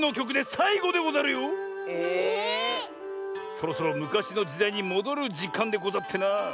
⁉そろそろむかしのじだいにもどるじかんでござってな。